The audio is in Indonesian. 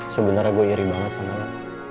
sebenarnya gue iri banget sama lo